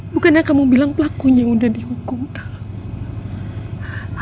bukannya kamu bilang pelakunya udah dihukum